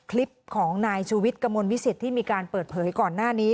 คลิปของนายชูวิทย์กระมวลวิสิตที่มีการเปิดเผยก่อนหน้านี้